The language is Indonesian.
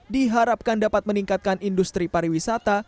diharapkan dapat meningkatkan industri pariwisata